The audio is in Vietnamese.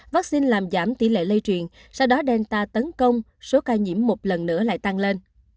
vaccine làm giảm tỷ lệ lây truyền sau đó delta tấn công số ca nhiễm một lần nữa lại tăng lên